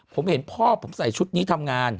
ผมเห็นพ่อผมใส่ชุดนี้ทำงาน